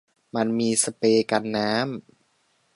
มันมีสเปรย์กันน้ำ